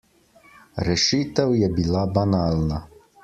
Rešitev je bila banalna.